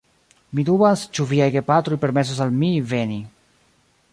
Mi dubas, ĉu viaj gepatroj permesos al mi veni.